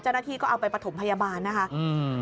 เจ้าหน้าที่ก็เอาไปประถมพยาบาลนะคะอืม